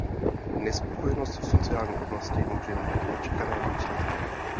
Nespokojenost v sociální oblasti může mít nečekané důsledky.